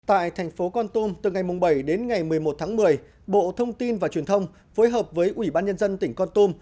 tại thành phố con tum từ ngày bảy đến ngày một mươi một tháng một mươi bộ thông tin và truyền thông phối hợp với ủy ban nhân dân tỉnh con tum